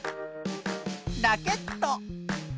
ラケット。